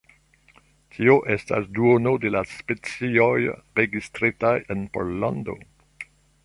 Tio estas duono de la specioj registritaj en Pollando.